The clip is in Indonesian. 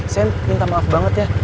saya minta maaf banget ya